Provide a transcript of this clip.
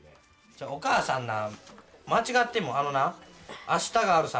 お母さんな間違ってもあのな「明日があるさ」